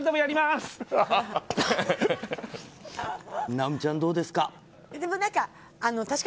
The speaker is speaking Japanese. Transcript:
尚美ちゃん、どうですか。